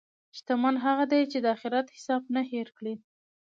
شتمن هغه دی چې د اخرت حساب نه هېر کړي.